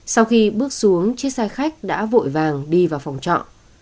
sau khi bước xuống chiếc xe khách đã vội vàng đi vào phòng trọ